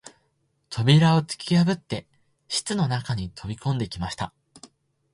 扉をつきやぶって室の中に飛び込んできました